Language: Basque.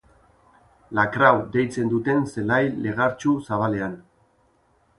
La Crau deitzen duten zelai legartsu zabalean.